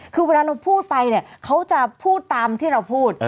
คือเวลาเราพูดไปเนี่ยเขาจะพูดตามที่เราพูด